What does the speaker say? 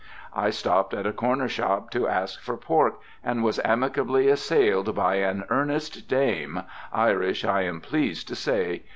I stopped at a corner shop to ask for pork, and was amicably assailed by an earnest dame, Irish, I am pleased to say.